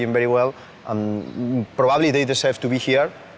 เราไม่มีพวกมันเกี่ยวกับพวกเราแต่เราไม่มีพวกมันเกี่ยวกับพวกเรา